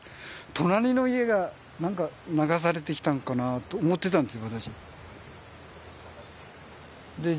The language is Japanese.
隣の家が流されてきたのかなと思ってたんです私。